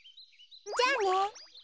じゃあね。